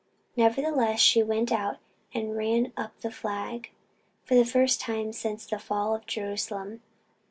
Nevertheless she went out and ran up the flag, for the first time since the fall of Jerusalem.